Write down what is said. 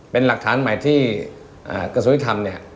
เป็นหลักฐานใหม่ที่กระทรวงยุติธรรม